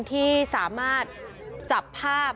ที่สามารถจับภาพ